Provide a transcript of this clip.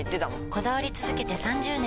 こだわり続けて３０年！